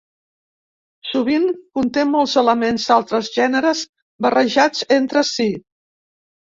Sovint, conté molts elements d'altres gèneres barrejats entre si.